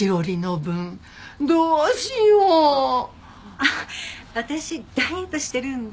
あっ私ダイエットしてるんで。